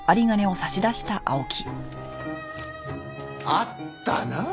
あったなあ